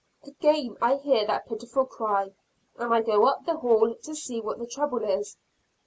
Again I hear that pitiful cry, and I go up the hall to see what the trouble is.